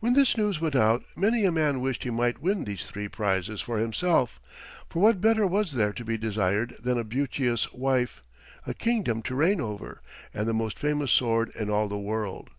When this news went out many a man wished he might win these three prizes for himself, for what better was there to be desired than a beauteous wife, a kingdom to reign over, and the most famous sword in all the world.